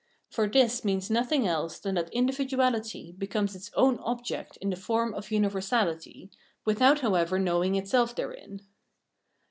For this means nothing else than that individuality becomes its own object in the form of universahty, without however knowing itself therein.